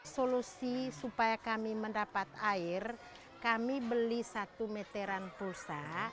solusi supaya kami mendapat air kami beli satu meteran pulsa